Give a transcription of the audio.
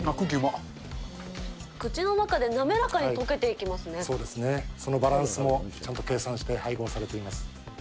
口の中で滑らかに溶けていきそうですね、そのバランスもちゃんと計算して配合されています。